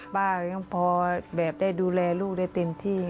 ก็ยังพอแบบได้ดูแลลูกได้เต็มที่